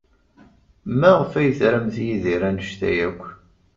Maɣef ay tramt Yidir anect-a akk?